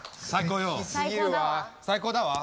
最高だわ。